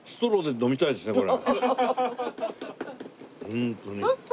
ホントに。